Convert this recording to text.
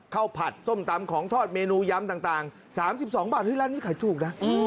ผัดส้มตำของทอดเมนูยำต่าง๓๒บาทเฮ้ยร้านนี้ขายถูกนะ